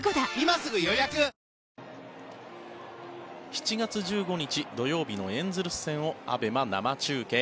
７月１５日、土曜日のエンゼルス戦をＡＢＥＭＡ生中継。